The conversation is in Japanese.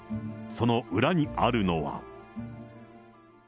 その裏にあるのは。